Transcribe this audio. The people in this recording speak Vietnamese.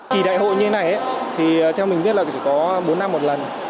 kỳ đại hội như thế này thì theo mình biết là chỉ có bốn năm một lần